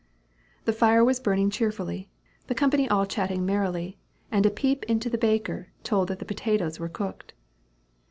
The fire was burning cheerfully, the company all chatting merrily, and a peep into the baker told that the potatoes were cooked.